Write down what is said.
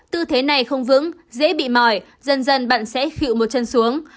tư thế này không vững dễ bị mỏi dần dần bạn sẽ chịu một chân xuống